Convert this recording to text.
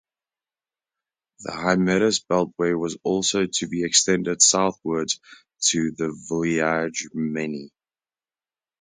The Hymettus Beltway was also to be extended southwards to Vouliagmeni.